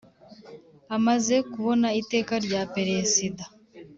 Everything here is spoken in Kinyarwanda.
Amaze Kubona Iteka Rya Peresida